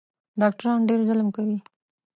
ډاکټران ډېر ظلم کوي